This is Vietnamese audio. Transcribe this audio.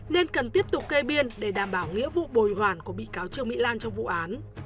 nên cần tiếp tục kê biên để đảm bảo nghĩa vụ bồi hoàn của bị cáo trương mỹ lan trong vụ án